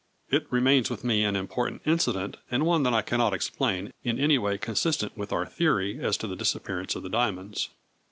It remains with me an important incident, and one that I cannot explain in any way consistent with our theory as to the disappearance of the diamonds.